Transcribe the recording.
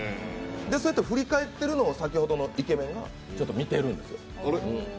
そうやって振り返ってるのを、先ほどのイケメンが見てるんです。